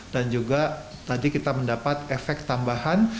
dan juga tadi kita mendapat efek tambahan